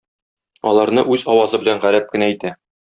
Аларны үз авазы белән гарәп кенә әйтә.